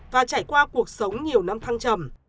và trải qua cuộc sống nhiều năm thăng trầm